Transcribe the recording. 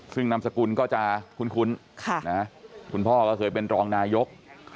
ซึ่งนามสกุลก็จะคุ้นคุณพ่อก็เคยเป็นรองนายก